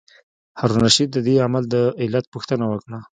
هارون الرشید د دې عمل د علت پوښتنه وکړه.